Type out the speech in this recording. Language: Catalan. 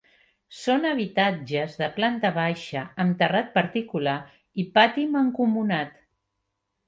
Són habitatges de planta baixa amb terrat particular i pati mancomunat.